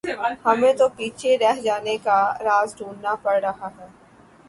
ہمیں تو پیچھے رہ جانے کا راز ڈھونڈنا پڑ رہا ہے۔